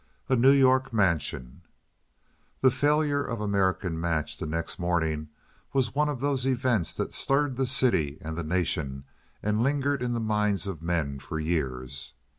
A New York Mansion The failure of American Match the next morning was one of those events that stirred the city and the nation and lingered in the minds of men for years.